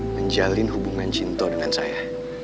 menjalin hubungan cinta dengan saya